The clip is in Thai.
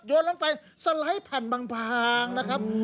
โยนลงไปสไหล่ผ่านพางนะครับ